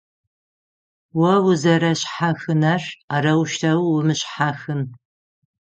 О узэрэшъхьахынэр - арэущтэу умышъхьахын.